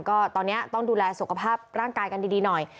ก็ตอนนี้ต้องดูแลสุขภาพร่างกายกันดีหน่อย